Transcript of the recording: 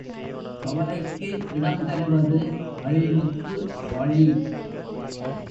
கவலை க்கு இடம் தருவது அழிவுக்கு வழி.